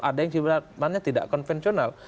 ada yang sebenarnya tidak konvensional